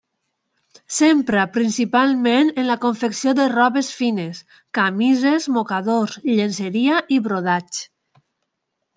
S'empra principalment en la confecció de robes fines: camises, mocadors, llenceria i brodats.